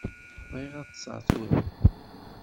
Bɣiɣ ad ṭṭseɣ tura.